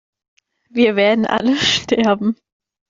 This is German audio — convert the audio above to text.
Wir werden alle sterben